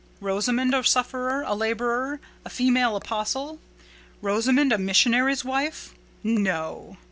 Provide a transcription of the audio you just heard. Rosamond a sufferer, a labourer, a female apostle? Rosamond a missionary's wife? No!"